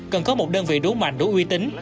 cần có một đơn vị đủ mạnh đủ uy tín